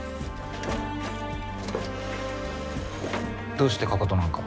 どうしてかかとなんか？